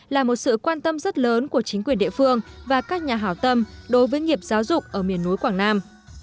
là một sự quan tâm rất lớn của chính quyền địa phương và các nhà hảo tâm đối với nghiệp giáo dục ở miền núi quảng nam